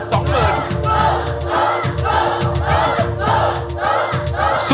สู้สู้สู้สู้สู้สู้สู้